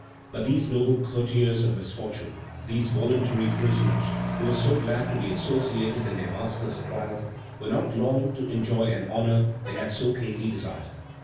But these noble courtiers of misfortune, these voluntary prisoners who were so glad to be associated in their master's trials, were not long to enjoy an honor they had so keenly desired.